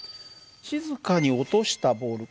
静かに落としたボール